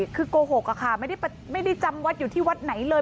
คือโกหกอะค่ะไม่ได้จำวัดอยู่ที่วัดไหนเลย